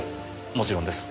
もちろんです。